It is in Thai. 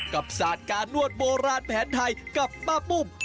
กับศาลการย์นวดโบราณแผนไทยกับบ๊าปุ้ม